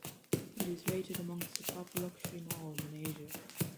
It is rated amongst the top luxury malls in Asia.